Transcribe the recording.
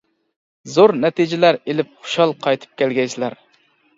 زور نەتىجىلەر ئېلىپ خۇشال قايتىپ كەلگەيسىلەر!